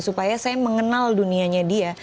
supaya saya mengenal dunianya dia